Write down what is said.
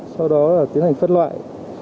sau đó tiến hành phân loại